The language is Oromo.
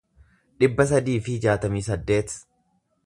dhibba sadii fi jaatamii saddeet